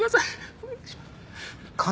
お願いします。